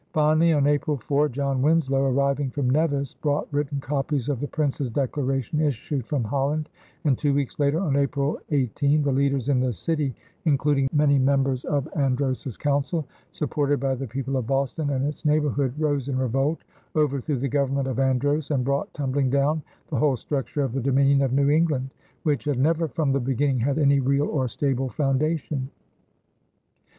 Finally on April 4, John Winslow, arriving from Nevis, brought written copies of the Prince's declaration, issued from Holland, and two weeks later, on April 18, the leaders in the city, including many members of Andros's council, supported by the people of Boston and its neighborhood, rose in revolt, overthrew the government of Andros, and brought tumbling down the whole structure of the Dominion of New England, which had never from the beginning had any real or stable foundation.